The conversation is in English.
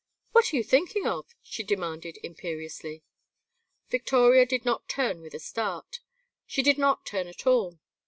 "What are you thinking of?" she demanded, imperiously. Victoria did not turn with a start. She did not turn at all.